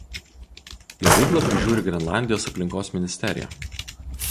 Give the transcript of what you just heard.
Jo veiklą prižiūri Grenlandijos aplinkos ministerija.